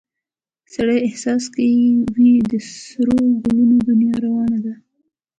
سړي احساس کې وي د سرو ګلو دنیا روانه